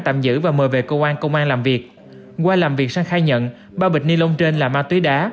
tạm giữ và mời về cơ quan công an làm việc qua làm việc sang khai nhận ba bịch ni lông trên là ma túy đá